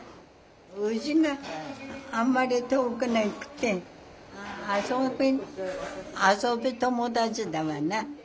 うちがあんまり遠くなくて遊び遊び友達だわな。